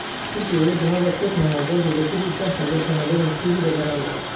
Tirkiyeyê di nava şeş mehan de zêdetirî deh hezar penaberên Sûrî vegerandine.